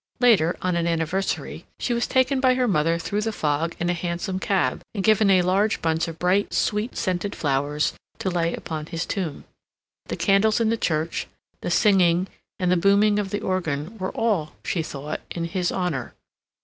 Later, on an anniversary, she was taken by her mother through the fog in a hansom cab, and given a large bunch of bright, sweet scented flowers to lay upon his tomb. The candles in the church, the singing and the booming of the organ, were all, she thought, in his honor.